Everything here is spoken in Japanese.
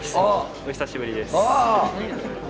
お久しぶりです。